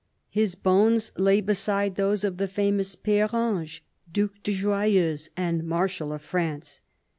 His bones lay beside those of the famous Pere Ange, Due de Joyeuse and Marshal of France.